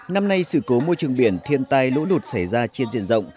năm nay sự cố môi trường biển thiên tai lỗ lột xảy ra trên diện rộng